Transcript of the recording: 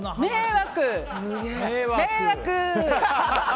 迷惑！